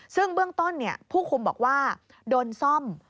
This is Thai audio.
ซึ่งเบื้องต้นผู้คุมบอกว่าโดนซ่อม